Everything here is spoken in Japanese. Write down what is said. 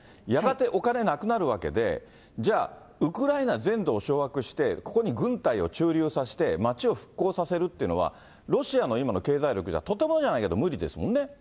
やがてお金なくなるわけで、じゃあ、ウクライナ全土を掌握して、ここに軍隊を駐留させて、町を復興させるっていうのは、ロシアの今の経済力じゃ、とてもじゃないけど、無理ですもんね。